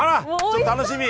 ちょっと楽しみ！